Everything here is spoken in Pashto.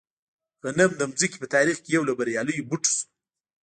غنم د ځمکې په تاریخ کې یو له بریالیو بوټو شو.